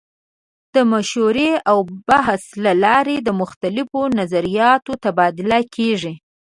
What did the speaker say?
د مشورې او بحث له لارې د مختلفو نظریاتو تبادله کیږي.